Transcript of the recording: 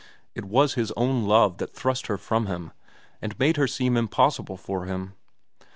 It was his own love that thrust her from him and made her seem impossible for him.